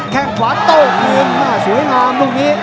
แค่งขวาโต้กลิ้นสวยงามตรงนี้